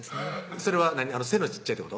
それは背の小っちゃいってこと？